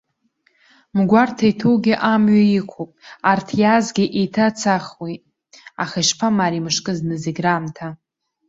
Мгәарҭа иҭоугьы амҩа иқәуп, арҭ иаазгьы еиҭацахуеит, аха ишԥамаари мышкы зны зегь раамҭа.